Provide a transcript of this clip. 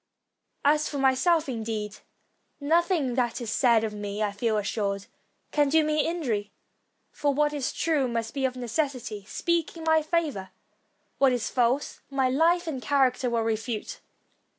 As for my self, indeed, nothing that is said of me, I feel assured, can do me injury; for what is true must of necessity speak in my favor ; what is false, my life and character will refute.